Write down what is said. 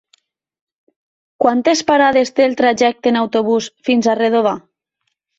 Quantes parades té el trajecte en autobús fins a Redovà?